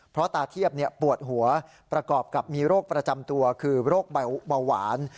เพราะตาเทียบปวดหัวประกอบกับมีโรคประจำตัวคือโรคเบาหวาน